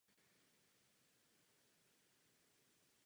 Jeho dříve blízké přátelství s králem skončilo díky nedorozumění.